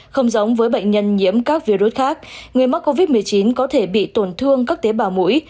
không giống với bệnh nhân nhiễm các virus khác người mắc covid một mươi chín có thể bị tổn thương các tế bào mũi